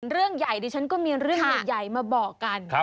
เรื่องใหญ่ดิฉันก็มีเรื่องใหญ่มาบอกกัน